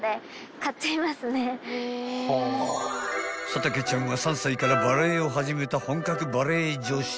［佐竹ちゃんは３歳からバレエを始めた本格バレエ女子］